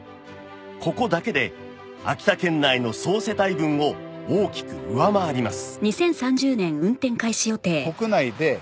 ここだけで秋田県内の総世帯分を大きく上回ります